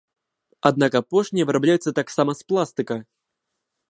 Аднак апошнія вырабляюцца таксама з пластыка.